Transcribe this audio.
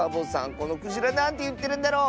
このクジラなんていってるんだろう